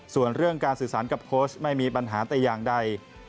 ส่วนเรื่องการสื่อสารกับโค้ชไม่มีปัญหาแต่อย่างใด